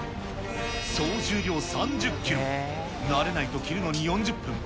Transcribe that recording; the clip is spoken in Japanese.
総重量３０キロ、慣れないと着るのに４０分。